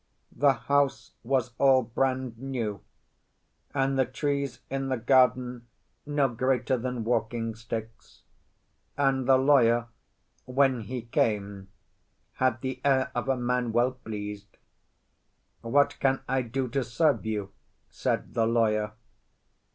The house was all brand new, and the trees in the garden no greater than walking sticks, and the lawyer, when he came, had the air of a man well pleased. "What can I do to serve you?" said the lawyer.